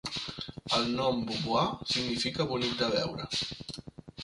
El nom "Beauvoir" significa "bonic de veure".